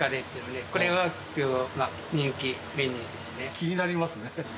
気になりますね。